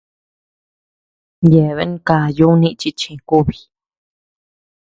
Yeabean ká yuni chi chë kúbi.